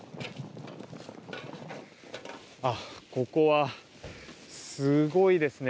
ここは、すごいですね。